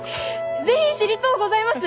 是非知りとうございます！